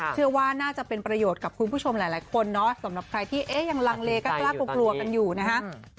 เชื่อว่าน่าจะเป็นประโยชน์กับคุณผู้ชมหลายคนเนาะสำหรับใครที่ยังลังเลก็กล้ากลัวกันอยู่นะฮะ